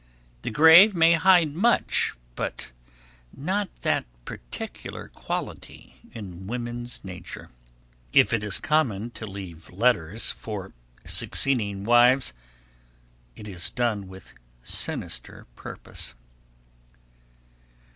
The grave may hide much, but not that particular quality in woman's nature. If it is common to leave letters for succeeding wives, it is done with sinister purpose.